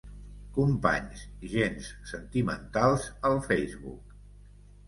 Companys gens sentimentals al Facebook .